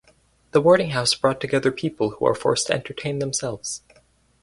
The boarding house brought together people who are forced to entertain themselves.